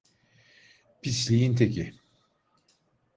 Pisliğin teki.